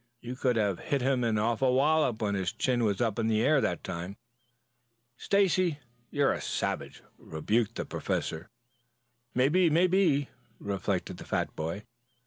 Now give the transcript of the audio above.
"You could have hit him an awful wallop when his chin was in the air that time." "Stacy! You are a savage!" rebuked the Professor. "Maybe, maybe," reflected the fat boy.